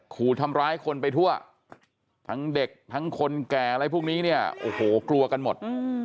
ขู่ทำร้ายคนไปทั่วทั้งเด็กทั้งคนแก่อะไรพวกนี้เนี่ยโอ้โหกลัวกันหมด